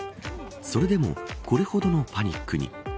それでもこれほどのパニックに。